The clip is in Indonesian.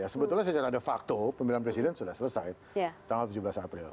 sebetulnya saya cakap ada faktor pemilihan presiden sudah selesai tanggal tujuh belas april